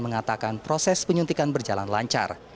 mengatakan proses penyuntikan berjalan lancar